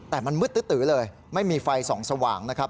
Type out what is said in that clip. แต่มันมืดตื้อเลยไม่มีไฟส่องสว่างนะครับ